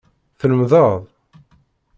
Tlemdeḍ.